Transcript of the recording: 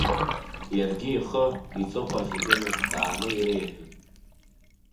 Иаргьы ихы, иҵыхәа зегьы ныҭкааны иреиҳәеит.